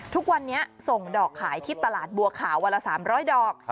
ทุกวันนี้ส่งดอกขายที่ตลาดบัวขาววันละ๓๐๐ดอก